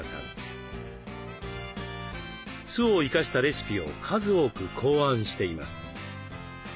酢を生かしたレシピを数多く考案しています。